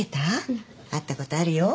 会ったことあるよ。